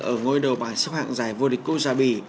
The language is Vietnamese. ở ngôi đầu bài xếp hạng giải vua địch kuzabi